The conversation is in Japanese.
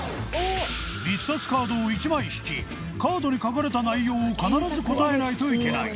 密撮カードを１枚引きカードに書かれた内容を必ず答えないといけない